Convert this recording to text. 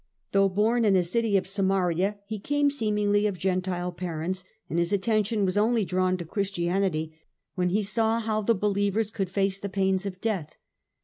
Though born Justin in a city of Samaria, he came seemingly of Gentile parents, and his attention was only drawn to Christianity when he saw how the believers justin, Ap. could face the pains of death.